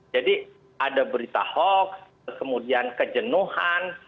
jadi ada berita hoax kemudian kejenuhan